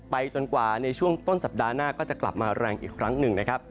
จนกว่าในช่วงต้นสัปดาห์หน้าก็จะกลับมาแรงอีกครั้งหนึ่งนะครับ